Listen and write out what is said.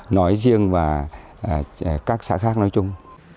nói riêng và các xã khác nói chung